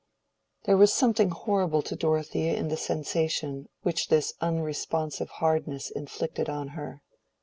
There was something horrible to Dorothea in the sensation which this unresponsive hardness inflicted on her.